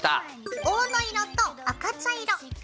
黄土色と赤茶色。